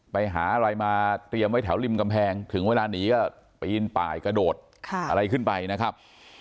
ไปหาอะไรมาเตรียมไว้แถวริมกำแพงถึงเวลาหนีก็ปีนป่ายกระโดดอะไรขึ้นไปนะครับ